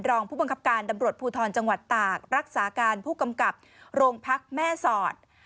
รองผู้บังคับการตำรวจภูทรจังหวัดตากรักษาการผู้กำกับโรงพักแม่สอด